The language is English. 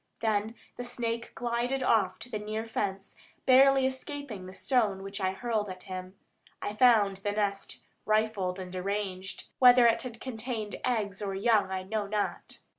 Then the snake glided off to the near fence, barely escaping the stone which I hurled at him. I found the nest rifled and deranged; whether it had contained eggs or young I know not.